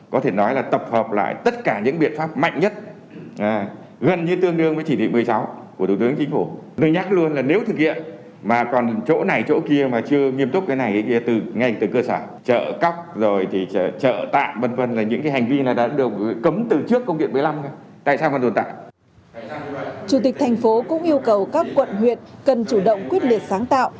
chủ tịch thành phố cũng yêu cầu các quận huyệt cần chủ động quyết liệt sáng tạo